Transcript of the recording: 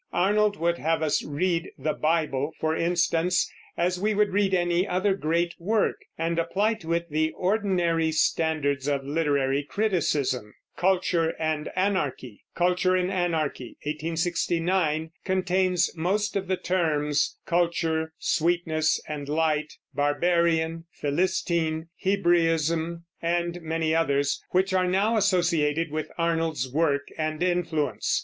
Arnold would have us read the Bible, for instance, as we would read any other great work, and apply to it the ordinary standards of literary criticism. Culture and Anarchy (1869) contains most of the terms culture, sweetness and light, Barbarian, Philistine, Hebraism, and many others which are now associated with Arnold's work and influence.